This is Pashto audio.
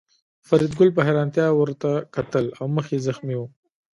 فریدګل په حیرانتیا ورته کتل او مخ یې زخمي و